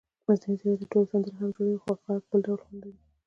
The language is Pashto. مصنوعي ځیرکتیا ټوله سندره هم جوړوي خو خپل غږ بل ډول خوند لري.